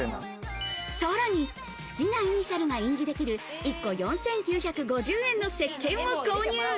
さらに、好きなイニシャルが印字できる１個４９５０円の石鹸も購入。